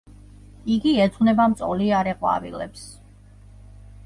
იგი ეძღვნება მწოლიარე ყვავილებს.